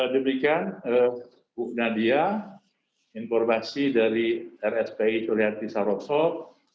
demikian bu nadia informasi dari rspi sulia desa rosok